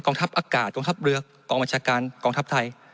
ทัพอากาศกองทัพเรือกองบัญชาการกองทัพไทย